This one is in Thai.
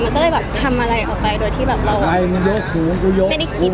มันก็เลยทำอะไรออกไปโดยที่เราไม่ได้คิดให้มันก็ดีดีก่อน